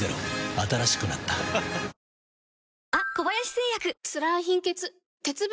新しくなったお。